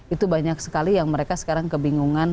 itu banyak sekali yang mereka sekarang kebingungan